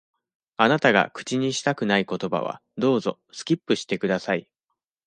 あなたが口にしたくない言葉は、どうぞ、スキップして下さい。